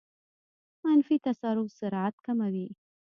منفي تسارع سرعت کموي.